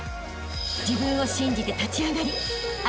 ［自分を信じて立ち上がりあしたへ